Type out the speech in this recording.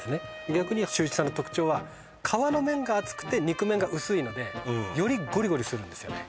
逆に周一さんの特徴は皮の面が厚くて肉面が薄いのでよりゴリゴリするんですよね